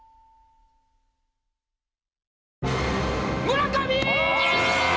村上！